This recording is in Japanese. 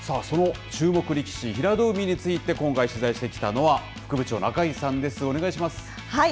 さあ、その注目力士、平戸海について今回取材してきたのは、副部長の赤井さんです。